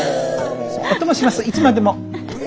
お供しますいつまでも！